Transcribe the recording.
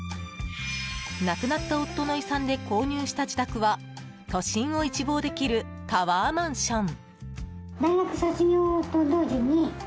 亡くなった夫の遺産で購入した自宅は都心を一望できるタワーマンション。